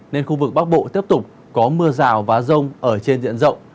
nên khu vực bắc bộ tiếp tục có mưa rào và rông ở trên diện rộng